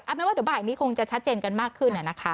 ไม่ว่าเดี๋ยวบ่ายนี้คงจะชัดเจนกันมากขึ้นนะคะ